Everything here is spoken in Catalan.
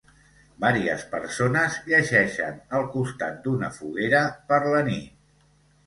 Vàries persones llegeixen al costat d"una foguera per la nit.